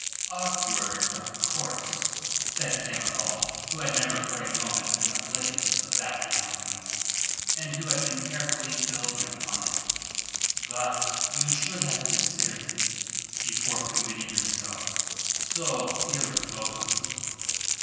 "Awkward, of course," said Samoval, who had never for a moment been oblivious of that enactment, and who had been carefully building upon it. "But you should have considered it before committing yourself so irrevocably."